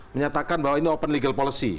menyatakan bahwa ini open legal policy